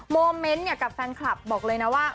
โมเมนต์เนี่ยกับแฟนคลับบอกเลยนะว่า